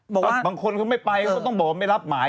บางคนเขาไม่ไปเขาต้องบอกว่าไม่รับหมาย